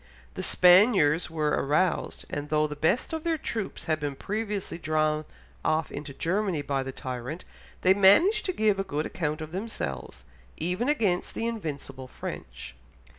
The Spaniards were aroused, and though the best of their troops had been previously drawn off into Germany by the tyrant, they managed to give a good account of themselves, even against the invincible French.